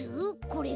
これ。